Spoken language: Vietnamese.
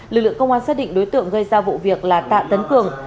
lực lượng công an xác định đối tượng gây ra vụ việc là tạ tấn cường